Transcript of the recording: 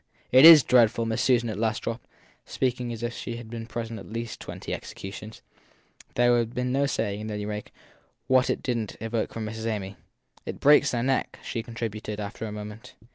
It is dreadful! Miss Susan at last dropped, speaking as if she had been present at twenty executions. There would have been no saying, at any rate, what it didn t evoke from Miss Amy. It breaks their neck/ she contributed after a moment.